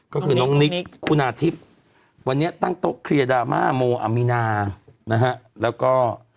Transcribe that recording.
ก็คือน้องนิกคุณาทิพย์วันนี้ตั้งโต๊ะเคลียร์ดราม่าโมอามีนานะฮะแล้วก็